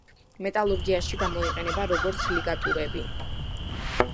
მეტალურგიაში გამოიყენება როგორც ლიგატურები.